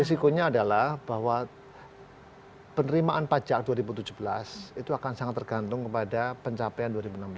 risikonya adalah bahwa penerimaan pajak dua ribu tujuh belas itu akan sangat tergantung kepada pencapaian dua ribu enam belas